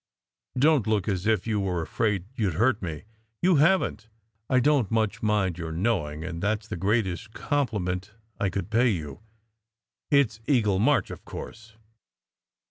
"Don t look as if you were afraid you d hurt me. You haven t. I don t much mind your knowing. And that s the greatest compliment I could pay you. It s Eagle March, of course."